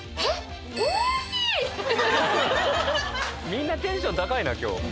みんなテンション高いな今日。